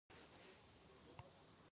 آیا دا یو ژوندی کتاب نه دی؟